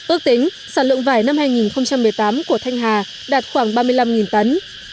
ước tính sản lượng vải năm hai nghìn một mươi tám của thanh hà đạt khoảng ba mươi năm tấn